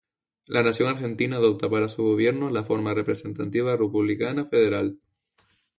La Nación Argentina adopta para su gobierno la forma representativa republicana federal